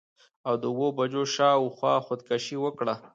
او د اووه بجو شا او خوا خودکشي وکړه.